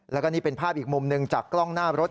แล้วก็นี่เป็นภาพอีกมุมหนึ่งจากกล้องหน้ารถ